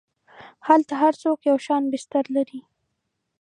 هلته هر څوک یو شان بستر لري.